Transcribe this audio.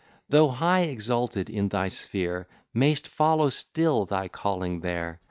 Thou, high exalted in thy sphere, May'st follow still thy calling there.